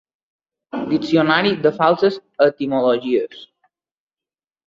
Diccionari de falses etimologies.